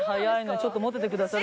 ちょっと持っててくださる？